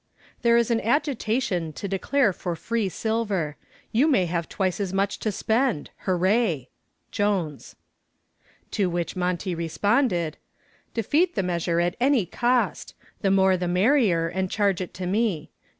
There is an agitation to declare for free silver. You may have twice as much to spend. Hooray. JONES. To which Monty responded: Defeat the measure at any cost. The more the merrier, and charge it to me.